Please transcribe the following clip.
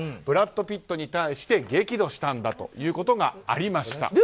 ブラッド・ピットに対して激怒したということがありました。